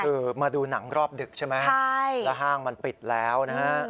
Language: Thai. คือมาดูหนังรอบดึกใช่ไหมใช่แล้วห้างมันปิดแล้วนะฮะ